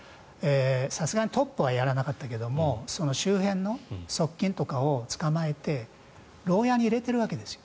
さすがにトップはやらなかったけど周辺の側近とかを捕まえて牢屋に入れているわけです。